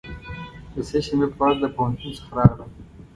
د سه شنبې په ورځ له پوهنتون څخه راغلم.